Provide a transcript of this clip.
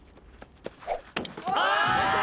あ！